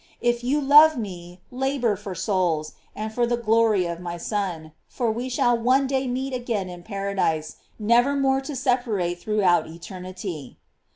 If you love me, labor for souls, and for the glory of my Son; for we shall one day meet again in paradise, never more to separate throughout eternity."